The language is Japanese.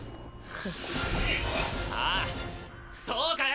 フッああそうかよ！！